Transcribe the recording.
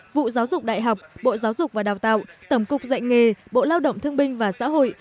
vụ giáo dục đại học bộ giáo dục và đào tạo tổng cục dạy nghề bộ lao động thương binh và xã hội